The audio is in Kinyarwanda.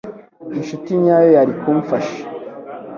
Inshuti nyayo yari kumfasha.